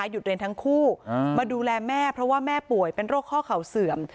หยุดเรียนทั้งคู่มาดูแลแม่เพราะว่าแม่ป่วยเป็นโรคข้อเข่าเสื่อม